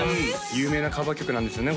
有名なカバー曲なんですよね？